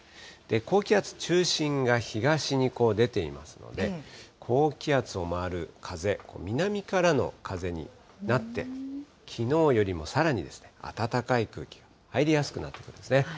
高気圧中心が東に出ていますので、高気圧を回る風、南からの風になって、きのうよりもさらに暖かい空気が入りやすくなってくるんですね。